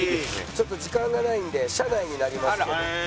ちょっと時間がないんで車内になりますけど。